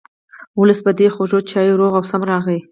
ولس په دې خوږو چایو روغ او سم راغی.